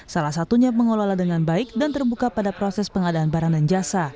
salah satunya mengelola dengan baik dan terbuka pada proses pengadaan barang dan jasa